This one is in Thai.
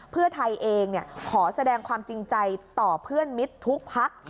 เพื่อไทยเองขอแสดงความจริงใจต่อเพื่อนมิตรทุกพัก